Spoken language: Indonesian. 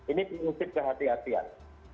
ini diusip ke hati hatian